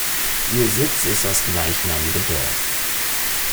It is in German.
Ihr Sitz ist das gleichnamige Dorf.